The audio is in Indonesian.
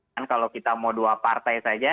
kan kalau kita mau dua partai saja